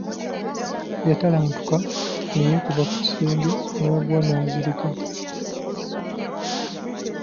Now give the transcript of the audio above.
Yatalantuka ne yeekuba ku kisenge n'agwa n'azirika.